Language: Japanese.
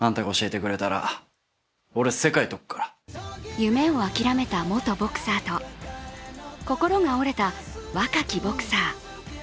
夢を諦めた元ボクサーと心が折れた若きボクサー。